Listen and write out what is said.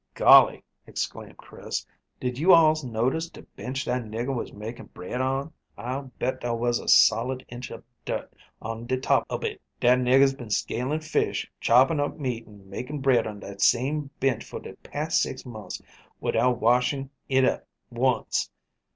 "Golly," exclaimed Chris, "did you alls notice de bench dat nigger was makin' bread on? I'll bet dar was a solid inch ob dirt on de top ob hit. Dat nigger's been scaling fish, chopping up meat, and making bread on dat same bench for de past six months widout washin' hit up once.